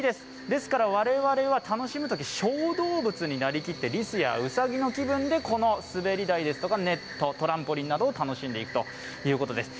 ですから我々は楽しむとき小動物になりきってりすやうさぎの気分でこの滑り台やネット、トランポリンなどを楽しんでいくということです。